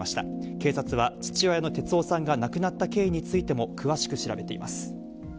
警察は父親の哲男さんが亡くなった経緯についても、詳しく調べています。